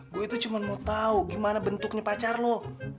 gue itu cuma mau tahu gimana bentuknya pacar loh